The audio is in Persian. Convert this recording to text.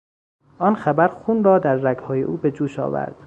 آن خبر خون را در رگهای او به جوش آورد.